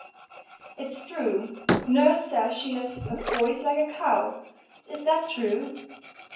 "It's true. Nurse says she has a voice like a cow. Is that true?"